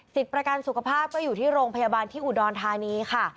ประกันสุขภาพก็อยู่ที่โรงพยาบาลที่อุดรธานีค่ะ